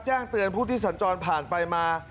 แจ้งเตือนผู้ที่สัญจรผ่านไปมา